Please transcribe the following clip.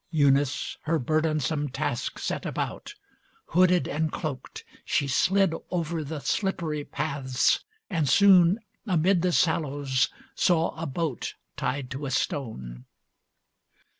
Eunice her burdensome Task set about. Hooded and cloaked, she slid Over the slippery paths, and soon amid The sallows saw a boat tied to a stone.